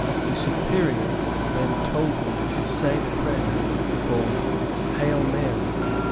The Superior then told me to say the prayer called "Hail Mary!"